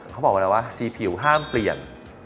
เขาบอกเวลาว่าสีผิวห้ามเปลี่ยน